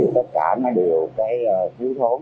tất cả đều thiếu thốn